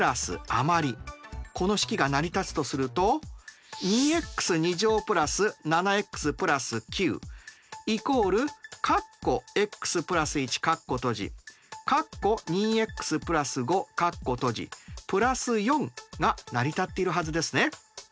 この式が成り立つとすると２ｘ＋７ｘ＋９＝＋４が成り立っているはずですね。